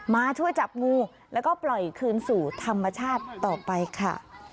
มาช่วยจับงูแล้วก็ปล่อยคืนสู่ธรรมชาติต่อไปค่ะ